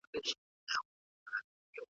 له میاشتونو له کلونو